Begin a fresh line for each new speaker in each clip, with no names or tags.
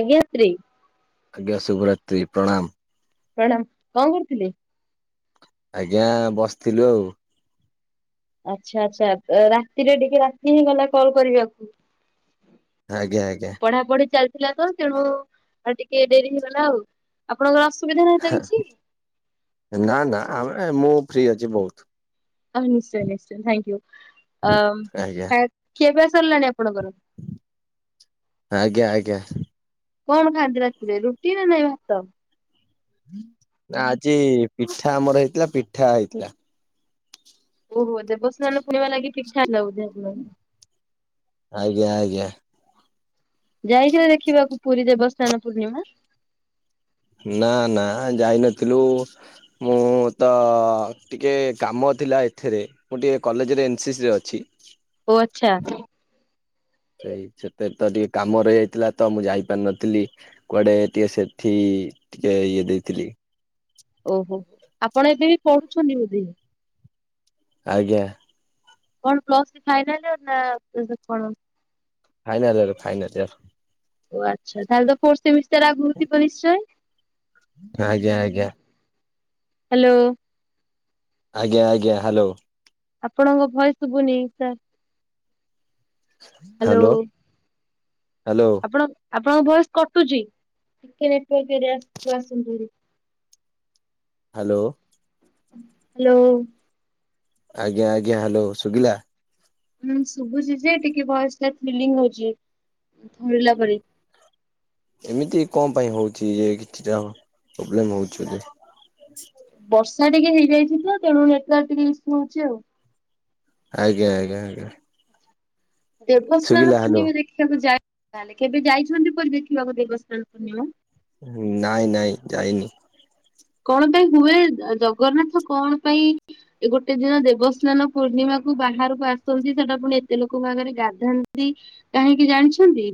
ଆଜ୍ଞାତ୍ରୀ।
ଆଜ୍ଞା ଶୁଭ ରାତ୍ରି ପ୍ରଣାମ।
ପ୍ରଣାମ କଣ କରୁଥିଲେ?
ଆଜ୍ଞା ବସିଥିଲୁ ଆଉ।
ଆଛା ଆଛା ରାତିରେ ଟିକେ ରାତି ହେଇଗଲା କଲ କରିବାକୁ?
ଆଜ୍ଞା ଆଜ୍ଞା।
ପଢାପଢି ଚାଲିଥିଲା ତ ତେଣୁ ଆ ଟିକେ ଟିକିଏ ଡେରି ହେଇଗଲା ଆଉ ଆପଣଙ୍କର ଅସୁବିଧା ନାହିଁ ତ
ହା
କିଛି
ନା ନା ମୁଁ ଫ୍ରି ଅଛି ବହୁତ।
ଅ ନିଶ୍ଚୟ ନିଶ୍ଚୟ ଥ୍ୟାଙ୍କୟୁ
ଆଜ୍ଞା
ଅ ଖିଆପିଆ ସରିଲାଣି ଆପଣଙ୍କର?
ଆଜ୍ଞା ଆଜ୍ଞା।
କଣ ଖାନ୍ତି ରାତିରେ ରୁଟି ନା ନାଇଁ ଭାତ?
ନା ଆଜି ପିଠା ଆମର ହେଇଥିଲା ପିଠା ହେଇଥିଲା।
ଓହୋ ଦେବସ୍ନାନ ପୂର୍ଣିମା ଲାଗି ପିଠା ହେଲା ବୋଧେ। ଆପଣଙ୍କର
ଆଜ୍ଞା ଆଜ୍ଞା।
ଯାଇଥିଲ ଦେଖିବାକୁ ପୁରୀ ଦେବସ୍ନାନ ପୂର୍ଣ୍ଣିମା?
ନା ନା ଯାଇନଥିଲୁ ମୁଁ ତ ଟିକେ କାମ ଥିଲା ଏଥିରେ ମୁଁ ଟିକିଏ କଲେଜରେ ଏନସିସରେ ଅଛି।
ଅଛା।
ସେଇ ସେତେ ତ ଟିକେ କାମ ରହିଯାଇଥିଲା, ତ ମୁଁ ଯାଇପାରିନଥିଲି କୁଆଡେ ଟିକେ ସେଠି ଟିକେ ଇଏ ଦେଇଥିଲି।
ଓହୋ ଆପଣ ଏବେ ବି ପଢୁଛନ୍ତି ବୋଧେ?
ଆଜ୍ଞା।
କଣ୍ ପ୍ଲସ ଥ୍ରି ଫାଇନାଲିୟର ନା, କଣ?
Final year final year.
ଓ ଆଛା ତାହେ ତ ଫୋର୍ଥ ସେମିଷ୍ଟାର ଆଗୃତି ପରିଶ୍ଚୟ [unintelligible]
ଆଜ୍ଞା ଆଜ୍ଞା।
ହ୍ୟାଲୋ।
ଆଜ୍ଞା ଆଜ୍ଞା ହ୍ୟାଲୋ।
ଆପଣଙ୍କ ଭୟସ ସୁଭୁନି ସାର୍। ହ୍ୟାଲୋ
ହ୍ୟାଲୋ
ଆପଣ ଆପଣଙ୍କ ବୟସ କଟୁଛି ଟିକେ ନେଟୱରକୁ ଆସନ୍ତୁ।
ହ୍ୟାଲୋ?
ହ୍ୟାଲୋ।
ଆଜ୍ଞା ଆଜ୍ଞା ହ୍ୟାଲୋ ସୁଭିଲା।
ଶୁଭୁଛି ଯେ ଟିକେ ବୟସ ଫିଲିଙ୍ଗ ହଉଚି ଥରିଲା ପରି।
ଏମିତି କଣ ପାଇଁ ହଉଛି ଯେ କିଛିଟା ପ୍ରୋବ୍ଲେମ ହଉଛି।
ବର୍ଷା ଟିକେ ହେଇଯାଇଛି ତ ତେଣୁ ନେଟୱାର୍କ ଟିକେ ୟୁସୁ ହଉଛି ଆଉ।
ଆଜ୍ଞା ଆଜ୍ଞା ଆଜ୍ଞା।
ଦେବସ୍ନାନ
ଶୁଭିଲା ହ୍ୟାଲୋ
ପୂର୍ଣ୍ଣିମା ଦେଖିବାକୁ ଯାଇ ତାହେଲେ କେବେ ଯାଇଛନ୍ତି ପର ଦେଖିବାକୁ ଦେବସ୍ନାନ ପୂର୍ଣ୍ଣିମା।
ନାଇଁ ନାଇଁ ଯାଇନି
କଣ ପାଇଁ ହୁଏ ଜଗନ୍ନାଥ କଣ ପାଇଁ ଗୋଟେ ଦିନ ଦେବସ୍ନାନ ପୂର୍ଣ୍ଣିମା? କୁ ବାହାରକୁ ଆସନ୍ତି ସେଟା ପୁଣି ଏତେ ଲୋକଙ୍କ ଆଗରେ ଗାଧାନ୍ତି କାହିଁକି ଜାଣିଛନ୍ତି?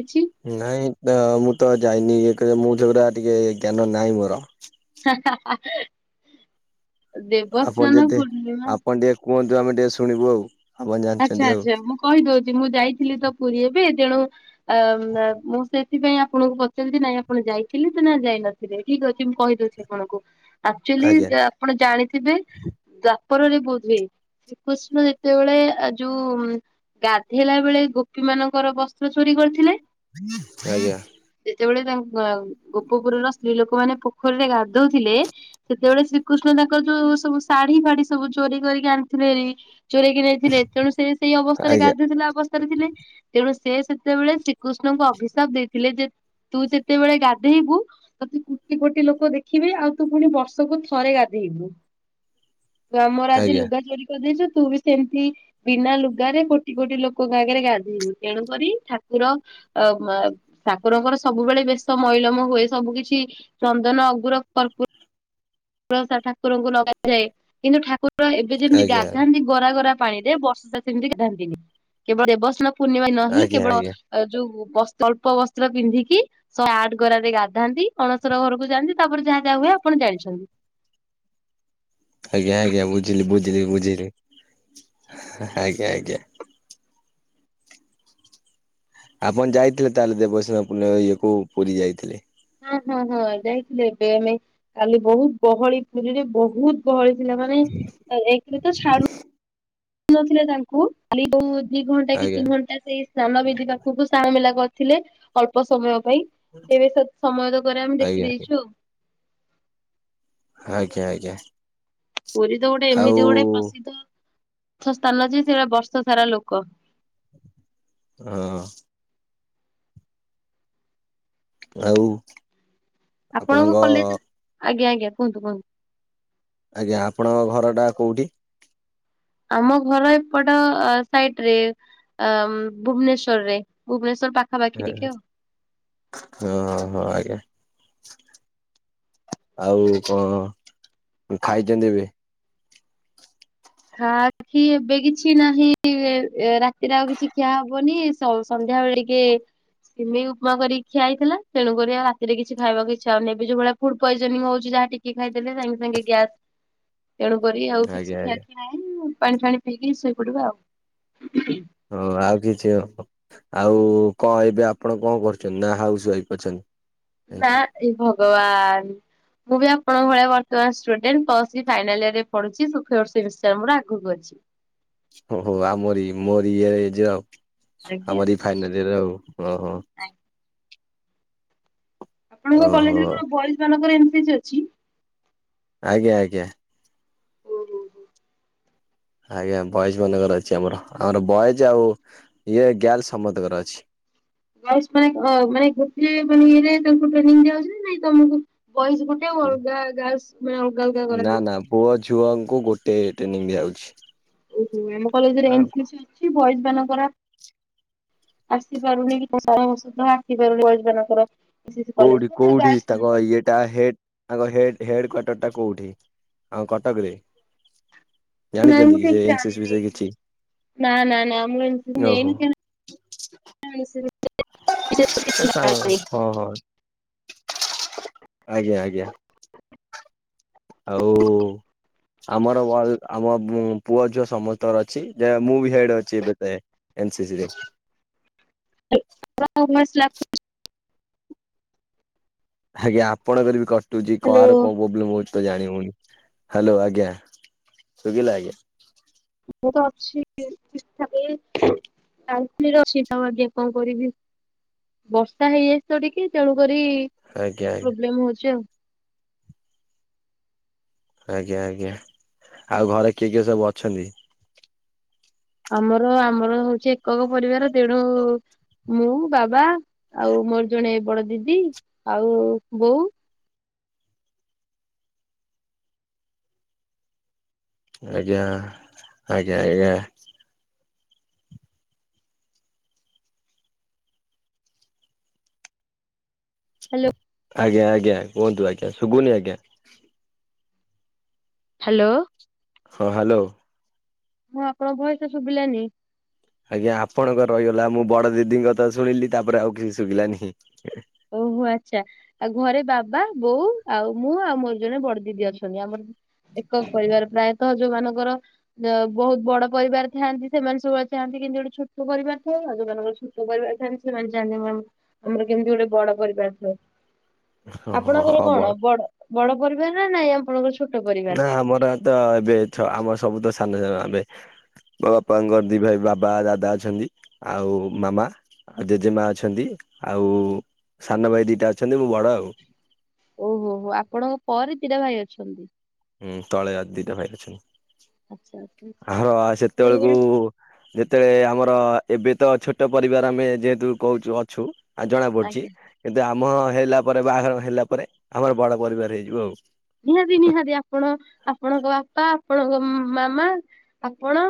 କିଛି [inaudible]
ନାଇଁ ତ ମୁଁ ତ ଯାଇନି ଏକରେ ମୁଁ ଯାଉରା ଟିକେ ଜ୍ଞାନ ନାହିଁ ମୋର।
ହା ହା
ଆପଣ
ଦେବସ୍ନାନ
ଯଦି
ପୂର୍ଣ୍ଣିମା।
ଆପଣ ଟିକେ କୁହନ୍ତୁ ଆମେ ଟିକେ ଶୁଣିବୁ ଆଉ। ଆପଣ
ଆଛା
ଜାଣିଛନ୍ତି ଆଉ
ଆଛା ମୁଁ କହିଦଉଛି ମୁଁ ଯାଇଥିଲି ତ ପୁରୀ ଏବେ କେତେ ତେଣୁ ଅ ମୁଁ ସେଥିପାଇଁ ଆପଣଙ୍କୁ ପଚାରିଲି ନାଇଁ ଆପଣ ଯାଇଥିଲେ ନା ଯାଇ ନଥିଲେ କି ଠିକ ଅଛି ମୁଁ କହିଦେଉଛି ଆପଣଙ୍କୁ ଆକଚାଲି
ଆଜ୍ଞା
ଆପଣ ଜାଣିଥିବେ ତ ପରରେ ବୋଧହୁଏ ଶ୍ରୀକୃଷ୍ଣ ଯେତେବେଳେ [unintelligible] ଆ ଯୋଉ ଗାଧେଇଲା ବେଳେ ଗୋପୀ ମାନଙ୍କର ବସ୍ତ୍ର ଚୋରି କରିଥିଲେ।
ଆଜ୍ଞା।
ଯେତେବେଳେ ତାଙ୍କ ଗୋପପୁରର ସ୍ତ୍ରୀ ଲୋକମାନେ ପୋଖରୀରେ ଗାଧଉଥିଲେ ସେତେବେଳେ ଶ୍ରୀକୃଷ୍ଣ ତାଙ୍କ ଯୋଉ ସବୁ ଶାଢୀ ଫାଢୀ ସବୁ ଚୋରି କରିକି ଆଣିଥିଲେ। ଚୋରେଇ କି ନେଇଥିଲେ ତେଣୁ ସେ ସେଇ ଅବସ୍ଥାରେ
ଆଜ୍ଞା
ଗାଧଉଥିଲା ଅବସ୍ଥାରେ ଥିଲେ ତେଣୁ ସେ ସେତେବେଳେ ଶ୍ରୀକୃଷ୍ଣଙ୍କୁ ଅଭିଶାପ ଦେଇଥିଲେ ଯେ ତୁ ଯେତେବେଳେ ଗାଧେଇବୁ ତୁ କୋଟି କୋଟି ଲୋକ ଦେଖିବେ ଆଉ ତୁ ପୁଣି ବର୍ଷକୁ ଥରେ ଗାଧେଇବୁ [inaudible]
ହୁଁ
ଆମର ଆଜି ଲୁଗା ଚୋରି କରିଦେଇଛୁ ତୁ ବି ସେମତି ବିନା ଲୁଗାରେ କୋଟି କୋଟି ଲୋକଙ୍କ ଆଗରେ ଗାଧୋଇୁ ତେଣୁକରି ଠାକୁର ଠାକୁରଙ୍କର ସବୁବେଳେ ବେଶ ମଇଲମ ହୁଏ ସବୁ କିଛି ଚନ୍ଦନ ଅଗୁର କର୍ପ ଠାକୁରଙ୍କୁ ଲଗାଯାଏ କିନ୍ତୁ ଠାକୁର ଏବେ ଯେମିତି
ଆଜ୍ଞା
ଗାଧାନ୍ତି ଗରା ଗରା ପାଣିରେ ବର୍ଷ ସାରା ଏମିତି ଗାଧାନ୍ତିନି, କେବଳ ଦେବସ୍ନ ପୂର୍ଣ୍ଣିମା ଦିନ ହିଁ
ଆଜ୍ଞା
କେବଳ
ଆଜ୍ଞା
ଯୋଉ ଅଳ୍ପ ବସ୍ତ୍ର ପିନ୍ଧିକି ଶହେ ଆଠ ଗରାରେ ଗାଧାନ୍ତି ଅଣସର ଘରକୁ ଯାଆନ୍ତି ତାପରେ ଯାହା ଯାହା ହୁଏ। ଆପଣ ଜାଣିଛନ୍ତି।
ଆଜ୍ଞା ଆଜ୍ଞା ବୁଝିଲି ବୁଝିଲି ବୁଝିଲି ଆଜ୍ଞା ଆଜ୍ଞା। ଆପଣ ଯାଇଥିଲେ ତାହେଲେ ଦେବସ୍ଥାନ ପୂର୍ଣମୀ କୁ ପୁରୀ ଯାଇଥିଲେ
ହଁ ହଁ ହଁ ଯାଇଥିଲେ ଏବେ ଆମେ କାଲି ବହୁତ ଗହଳି ପୁରୀରେ ବହୁତ ଗହଳି ପିଲାମାନେ ଏକରେ ତ ଛାଡୁ ନଥିଲେ ତାଙ୍କୁ ଖାଲି ଯୋଉ ଦି ଘଣ୍ଟା କି
ଆଜ୍ଞା
ତିନି ଘଣ୍ଟା ସେଇ ସ୍ନାନ ବିଧି ପାଖକୁ ସା ମିଲା କରିଥିଲେ ଅଳପ ସମୟ ପାଇଁ ଏବେ ସ ସମୟ ତ କରେ ଆମେ
ଆଜ୍ଞା
ଦେଖିଦେଇଛୁ ଆଉ।
ଆଜ୍ଞା ଆଜ୍ଞା।
ପୁରୀ ତ ଗୋଟେ
ଆଉ
ଏମିତି ଗୋଟେ ପ୍ରସିଦ୍ଧ ଅର୍ ସ୍ଥାନ ଅଛି ସେଟା ବର୍ଷ ସାରା ଲୋକ
ହଁ। ଆଉ।
ଆପଣଙ୍କ କଲେଜ ଆଜ୍ଞା ଆଜ୍ଞା କୁହନ୍ତୁ କୁହନ୍ତୁ!
ଆଜ୍ଞା ଆପଣଙ୍କ ଘର ଟା କୋଉଠି?
ଆମ ଘର ଏପଟ ସାଇଡ ରେ ଭୁବନେଶ୍ୱରରେ ଭୁବନେଶ
ହଁ ହଁ ଆଜ୍ଞା। ଆଉ କଣ ଖାଇଛନ୍ତି ବି
ଖା ଆଖି ଏବେ କିଛି ନାହିଁ ରାତିରେ ଆଉ କିଛି ଖିଆ ହବନି ସନ୍ଧ୍ୟା ଯାହା ହେଲେ ବି ଟିକେ ସିମେଇ ଉପମା କରିକି ଖିଆଇଥିଲା ତଣୁକରି ଆଉ ରାତିରେ କି ଖବାକୁ ଇଛା ହଉନ ଏ ଯୋ ଭଳିଆ ଫୁଡ୍ ପଏଜନିଂ ହଉଛି ହା ଟିକେ ଖାଇଦେଲେ ସାଙ୍ଗେ ସାଙ୍ଗେ ଗ୍ୟାସ
ହ
ତେଣୁ କରି ଆଉ କିଛି ଖିଆ ଖିଆ ନାହିଁ ପାଣି ଫାଣି ପିଇକି ଶୋଇପଡିବା ଆଉ।
ହଁ ଆଉ କିଛି ଆଉ କଣ ଏବେ ଆପଣ କଣ କରୁଛନ୍ତି ନା ହାଉସ ୱାଇଫ୍ ଅଛନ୍ତି।
ନା ଏଇ ଭଗବାନ ମୁଁ ବି ଆପଣଙ୍କ ଭଳି ବର୍ତ୍ତମାନ ଷ୍ଟୁଡେଣ୍ଟ ଫାଇନାଲ ୟରେ ପଢୁଛି ମୋର ଆଗକୁ ଅଛି।
ଓହୋ ଆମୋରି ମୋରି ଏଯେ ଆଉ।
ଆଜ୍ଞା
ଆମର ଏଇ ଫାଇନାଲ ଇଅର ଆଉ, ହଁ ହଁ
ଆଜ୍ଞା ଆପଣଙ୍କ
ଓହୋ
କଲେଜରେ କଣ ବଏଜ ମାନଙ୍କର ଏ ନ ସି ସି ଅଛି?
ଆଜ୍ଞା ଆଜ୍ଞା।
ଓ ହୋ ହୋ
ଆଜ୍ଞା ବଏଜ ମାନଙ୍କର ଅଛି ଆମର, ଆମର ବଏଜ ଆଉ ଇଏ ଗାଲସ ସମସ୍ତଙ୍କର ଅଛି।
ବୟଜ ପାଇଁ ମାନେ ଗୋଟିଏ ଇଏରେ ଟ୍ରେନିଙ୍ଗ ଦିଆହଉଚି ନା ନାଇଁ ତମକୁ? ବଏସ ଗୋଟେ ଅଲଗା ଗାର୍ଲସ ମାନେ ଅଲଗା ଅଲଗା
ନା
କରାହଉଛି।
ନା ପୁଅ ଝିଅ ଆମକୁ ଗୋଟିଏ ଟ୍ରେନିଂ ଦିଆଯାଉଛି
ଓହୋ ଆମ କଲେଜରେ ଏନସିସି ଅଛି, ବଏଜ ଙ୍କର ଆସିପାରୁନି [unintelligible] ଆସିପାରୁନି ଆଜି ଦିନସାରା।
କୋଉଠି କୋଉଠି ତାଙ୍କ ଇଏଟା ହେ ତାଙ୍କ ହେଡ କ୍ଵାଟର ଟା କୋଉଠି ଆମ କଟକରେ
ନାଇ
ଜାଣିଛନ୍ତି
ମୁଁ
କି ସେ
କିଛି
ଏନସିସ୍
ଜାଣିନି
ବିଷୟରେ
ଏଇନା,
କିଛି?
ନା ନା ନା ମୁ ଏନସିସି
ଓହୋ।
ନେଇନି।
ଏ ସାଙ୍ଗ
[unintelligible]
ହଁ ହଁ। ଆଜ୍ଞା ଆଜ୍ଞା। ଆଉ ଆମର ଭ ଆମ ପୁଅ ଝିଅ ସମସ୍ତଙ୍କ ଅଛି ଯେ ମୁଁ ବି ହେଡ଼ ଅଛି ଏବେ ତ ଏନ୍ସିିସିି ରେ। ଆଜ୍ଞା ଆପଣଙ୍କର ବି କଟୁଛି
ହ୍ୟାଲୋ
କାହାର କୋଉ ପ୍ରୋବ୍ଲେମ ହଉଛି? ତ ଜାଣିହଉନି ହାଲୋ ଆଜ୍ଞା, ଶୁଭିଲା ଆଜ୍ଞା।
ମୁତ ଅଛି ଠିକଠାକ ତାଙ୍କର ଅଛି ତ ଆଜ୍ଞା, କଣ କରିବି? ବର୍ଷା ହେଇଯାଇ ତ ଟିକେ ତେଣୁ କରି
ଆଜ୍ଞା ଆଜ୍ଞା
ପ୍ରୋବ୍ଲେମ ହଉଛି ଆଉ
ଆଜ୍ଞା ଆଜ୍ଞା, ଆଉ ଘରେ କିଏ କିଏ ସବୁ ଅଛନ୍ତି?
ଆମର ଆମର ହଉଛି ଏକକ ପରିବାର ତେଣୁ ମୁଁ ବାବା ଆଉ ମୋର ଜଣେ ବଡ଼ ଦିଦି ଆଉ ବୋଉ।
ଆଜ୍ଞା ଆଜ୍ଞା ଆଜ୍ଞା। ଆଜ୍ଞା ଆଜ୍ଞା କୁହନ୍ତୁ ଆଜ୍ଞା ସୁବୁନି ଆଜ୍ଞା।
ହାଲୋ
ହଁ ହାଲୋ
ହୁଁ, ଆପଣଙ୍କ ଭୟସ ଶୁଭିଲାନି।
ଆଜ୍ଞା ଆପଣଙ୍କ ରହିଗଲା ମୁଁ ବଡ଼ ଦିଦିଙ୍କକଥା ଶୁଣିଲି, ତାପରେ ଆଉ କିଛି ଶୁଭିଲାନି।
ଓହୋ ଆଛା। ଆଉ ଘରେ ବାବା ବୋଉ ଆଉ ମୁଁ ଆଉ ମୋର ଜଣେ ବଡ଼ ଦିଦି ଅଛନ୍ତି ଆମର ଏକକ ପରିବାର ପ୍ରାୟତଃ ଯୋଉ ମାନଙ୍କର ବହୁତ ବଡ଼ ପରିବାର ଥାଆନ୍ତି ସେମାନେ ସବୁଥାନ୍ତି କେମତି ଗୋଟେ ଛୋଟ ପରିବାର ଥାଏ, ଯୋଉମାନଙ୍କର ଛୋଟ ପରିବାର ଥାନ୍ତି ସେମାନେ ଜାଣ ଆମର କେମିତି ଗୋଟେ ବଡ଼ ପରିବାର ଥିବ
ହଁ ହଁ
ଆପଣଙ୍କର
ହଁ ବଳ
କଣ ବଡ଼ ବଡ଼ ପରିବାର ନା ନାଇଁ ଆପଣଙ୍କର ଛୋଟ ପରିବାର?
ନା ଆମର ତ ଏବେ ଛ ଆମର ସବୁ ତ ସାନ ସାନ ଆମେ ମୋ ବାପାଙ୍କର ଦି ଭାଇ ବାବା ଦାଦା ଅଛନ୍ତି, ଆଉ ମାମା ଆଉ ଜେଜେମା ଅଛନ୍ତି। ଆଉ ସାନ ଭାଇ ଦିଟା ଅଛନ୍ତି, ମୁଁ ବଡ଼ ଆଉ
ଓହୋ ହୋ ଆପଣଙ୍କ ପରେ ଦିଟା ଭାଇ ଅଛନ୍ତି।
ଉଁ ତଳେ ଆ ଦିଟା ଭାଇ
ଆଚ୍ଛା
ଅଛନ୍ତି
ଆଚ୍ଛା
ଆର ସେତେବେଳକୁ
ଆପଣଙ୍କର
ଯେତେ ଆମର ଏବେ ତ ଛୋଟ ପରିବାର ଆମେ ଯେ ତୁ କହୁଛୁ ଅଛୁ ଆଉ ଜଣା ପଡ଼ୁଛି
ଆଜ୍ଞା।
କିନ୍ତୁ ଆ ମ ହେଲା ପରେ ବାହାଘର ହେଲା ପରେ, ଆମର ବଡ଼ ପରିବାର ହେଇଯିବୁ ଆଉ।
ନିହାତି ନିହାତି ଆପଣ ଆପଣଙ୍କ ବାପା, ଆପଣଙ୍କ ମାମା, ଆପଣ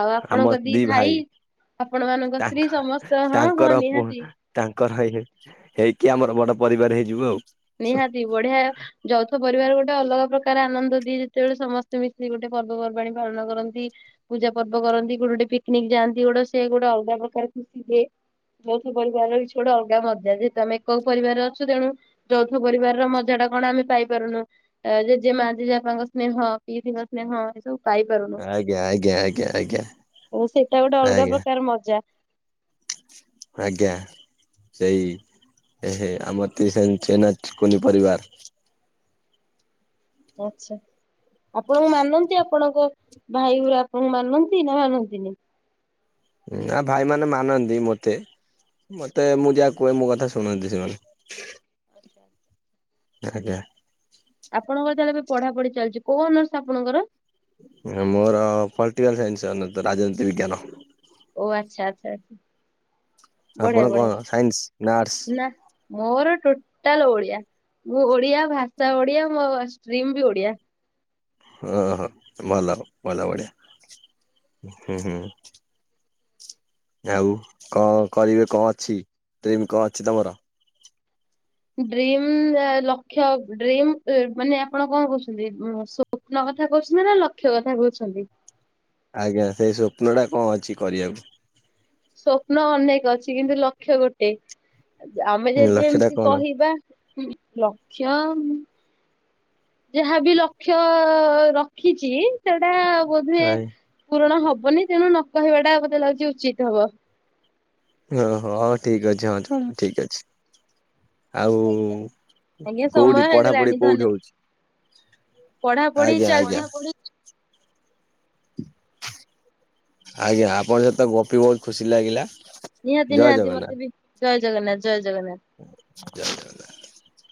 ଆଉ ଆପଣଙ୍କ ଦି ଭାଇ ଆପଣ ମାନଙ୍କ
ତାଙ୍କ
ସ୍ତ୍ରୀ ସମସ୍ତ ହଁ ହଁ
ତାଙ୍କର ପୁ
ନିହାତି
ତାଙ୍କର ହେଇ ହେଇକି ଆମର ବଡ଼ ପରିବାର ହେଇଯିବୁ ଆଉ
ନିହାତି ବଢ଼ିଆ ଯୌଥ ପରିବାର ଗୋଟେ ଟେ ଅଲଗା ପ୍ରକାର ଆନନ୍ଦ ଦିଏ ଯେତେବେଳେ ସମସ୍ତେ ମିଶିକି ଗୋଟେ ପର୍ବପର୍ବାଣୀ ପାଳନ କରନ୍ତି ପୂଜା ପର୍ବ କରନ୍ତି କୋଉଠି ଗୋଟେ ପିକନିକ ଯାଆନ୍ତି ଗୋଟେ ସେ ଗୋଟେ ଅଲଗା ପ୍ରକାର ଖୁସି ଦିଏ। ଯୌଥ ପରିବାରର କିଛି ଗୋଟେ ଅଲଗା ମଜା ଯେହେତୁ ଆମେ ଏକକ ପରିବାରରେ ଅଛୁ ତେଣୁ ଯୌଥ ପରିବାର ର ମଜା ଟା କଣ ଆମେ ପାଇପାରୁନୁ ଜେଜେ ମା ଜେଜେ ବାପାଙ୍କ ସ୍ନେହ ପିଇ ସ୍ନେହ ଏ ସବୁ ପାଇପାରୁନୁ
ଆଜ୍ଞା ଆଜ୍ଞା ଆଜ୍ଞା ଆଜ୍ଞା
ସେଇଟା ଗୋଟେ ଅଲଗା
ଆଜ୍ଞା
ପ୍ରକାର ମଜା।
ଆଜ୍ଞା। ସେଇ ଆମର ସେମି ମିତି କୁନି ପରିବାର
ଆଚ୍ଛା। ଆପଣଙ୍କୁ ମାନନ୍ତି ଆପଣଙ୍କ ଭାଇଗୁରା ଆପଣଙ୍କୁ ମାନନ୍ତି ନା ମାନନ୍ତିନି?
ଆ ଭାଇ ମାନ ମାନନ୍ତି ମତେ ମତେ ମୁଁ ଯାହା କୁହେ ମୋ କଥା ଶୁଣନ୍ତି ସେମାନେ ଆଜ୍ଞା।
ଆପଣଙ୍କର ତାହେଲେ ଏବେ ପଢାପଢି ଚାଲିଛି। କୋଉ ଅନର୍ସ ଆପଣଙ୍କର?
ମୋର ପଲିଟିକାଲ ସାଇନ୍ସ ରାଜନୀତି ବିଜ୍ଞାନ।
ଓ ଆଚ୍ଛା ଆଚ୍ଛା
ଆପଣ
ବଢିଆ
କଣ
ବଢିଆ
ସାଇନ୍ସ ନା ଆର୍ଟସ?
ନା ମୋର ଟୋଟାଲ ଓଳିଆ। ମୁଁ ଓଡିଆ ଭାଷା ଓଡିଆ ମୋ ଷ୍ଟ୍ରିମ ବି ଓଡିଆ।
ହଁ, ହଁ ଭଲ ଭଲ ବଡିଆ। ହୁଁ, ହୁଁ। ଆଉ କଣ କରିବେ କଣ ଅଛି ଡ୍ରିମ କଣ ଅଛି ତମର?
ଡିମ ଲକ୍ଷ ଡ୍ରିମ ମାନେ ଆପଣ କଣ କହୁଛନ୍ତି ସ୍ବପ୍ନ। କଥା କହୁଛନ୍ତି ନା ଲକ୍ଷ କଥା କହୁଛନ୍ତି।
ଆଜ୍ଞା ସେଇ ସ୍ଵପ୍ନ ଟା କଣ ଅଛି କରିବାକୁ?
ସ୍ୱପ୍ନ ଅନେକ ଅଛି କିନ୍ତୁ ଲକ୍ଷ୍ୟ ଗୋଟେ। ଆମେ ଯଦି
ଲକ୍ଷ୍ୟ ଟା
ଏମିତି
କଣ?
କହିବା ଲକ୍ଷ୍ୟ। ଯାହାବ ଲକ୍ଷ୍ୟ ରଖିଛି ସେଟା ବୋଧେ
ଆଜ୍ଞା
ପୂରଣ ହବ। ହବନି ତେଣୁ ନ କହିବା ଟା ବୋଦେ ଲାଗୁଛି ଉଚିତ୍ ହବ।
ଓ ହୋ ହଉ ଠିକ ଅଛି ହଁଲ ଠିକ ଅଛି। ଆଉ
ଆଜ୍ଞା ଆଜ୍ଞା ସମୟ
କୋଉଠି ପଢାପଢି
ହେଇଗଲାଣି ଧନ୍ୟ
କୋଉଠି ହଉଛି?
ପଢାପଢି
ଆଜ୍ଞା,
ଚାଲିଛି
ଆଜ୍ଞା। ଆଜ୍ଞା ଆପଣଙ୍କ ସହିତ ଗପି ବହୁତ ଖୁସି ଲାଗିଲା।
ନିହାତି
ଜୟ
ନିହାତି
ଜଗନ୍ନାଥ
ମତେ ବି ଜୟ ଜଗନ୍ନାଥ ଜୟ ଜଗନ୍ନାଥ।
ଜୟ ଜଗନ୍ନାଥ।